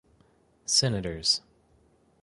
Senators.